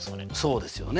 そうですよね。